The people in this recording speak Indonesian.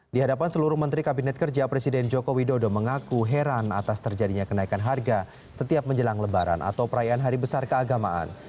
di hadapan seluruh menteri kabinet kerja presiden joko widodo mengaku heran atas terjadinya kenaikan harga setiap menjelang lebaran atau perayaan hari besar keagamaan